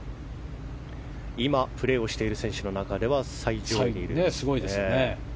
今、プレーしている選手の中では最上位。